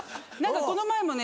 この前もね